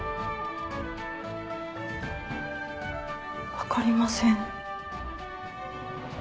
分かりません。